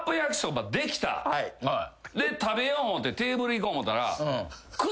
で食べよう思てテーブル行こう思たら。